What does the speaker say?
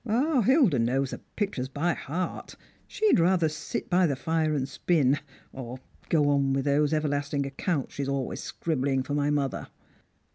" 0, Hilda knows the pictures Iiy heart. She'd rather sit by the fire and spin; or go on wilh those everlasting accounts she is always scribbling for my mother."